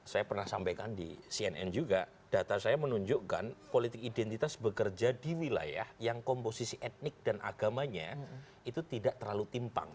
saya pernah sampaikan di cnn juga data saya menunjukkan politik identitas bekerja di wilayah yang komposisi etnik dan agamanya itu tidak terlalu timpang